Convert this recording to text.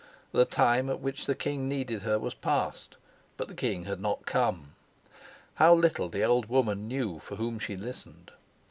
The time at which the king needed her was past, but the king had not come. How little the old woman knew for whom she listened!